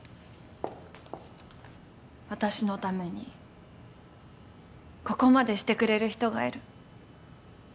私のためにここまでしてくれる人がいる。